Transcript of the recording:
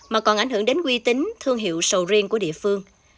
mà còn ảnh hưởng đến quy tính thương hiệu sầu riêng của địa phương